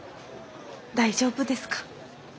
大丈夫ですか？